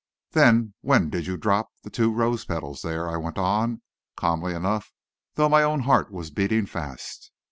"Then when did you drop the two rose petals there?" I went on, calmly enough, though my own heart was beating fast.